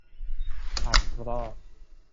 اََفرا